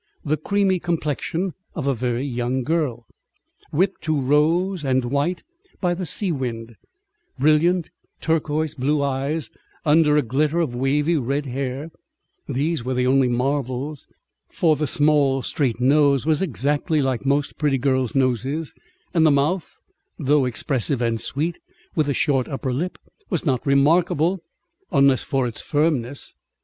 The creamy complexion of a very young girl, whipped to rose and white by the sea wind; brilliant turquoise blue eyes under a glitter of wavy red hair; these were the only marvels, for the small, straight nose was exactly like most pretty girls' noses, and the mouth, though expressive and sweet, with a short upper lip, was not remarkable, unless for its firmness.